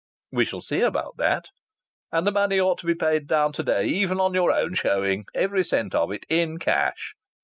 "We shall see about that." "And the money ought to be paid down to day, even on your own showing every cent of it, in cash."